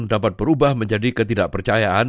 dapat berubah menjadi ketidakpercayaan